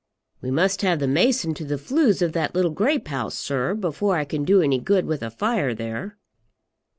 "We must have the mason to the flues of that little grape house, sir, before I can do any good with a fire there."